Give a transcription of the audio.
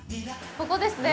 ここですね。